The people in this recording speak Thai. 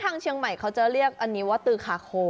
ทางเชียงใหม่เขาจะเรียกอันนี้ว่าตือคาโค